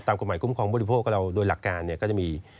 ตามกฎหมายคุ้มครองมหัวโดยโภคโบราณของเราโดยหลักการเนี่ย